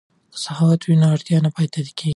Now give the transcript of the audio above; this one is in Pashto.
که سخاوت وي نو اړتیا نه پاتیږي.